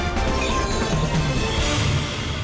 kami segera kembali